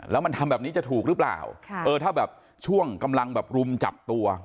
แล้วมันทำแบบนี้จะถูกหรือเปล่าค่ะเออถ้าแบบช่วงกำลังแบบรุมจับตัว